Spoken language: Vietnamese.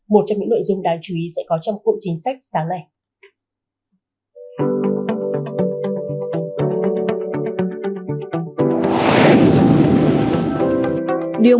một trong những nội dung đáng chú ý sẽ có trong cụm chính sách sáng nay